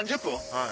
はい。